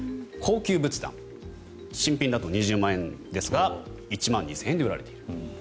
高級仏壇新品だと２０万円ですが１万２０００円で売られている。